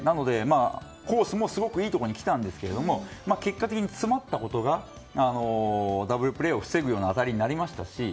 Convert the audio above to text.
コースもすごくいいところに来たんですけど結果的に詰まったことがダブルプレーを防ぐような当たりになりましたし